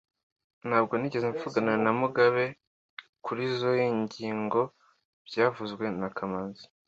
Ntabwo nigeze mvugana na Mugabe kurizoi ngingo byavuzwe na kamanzi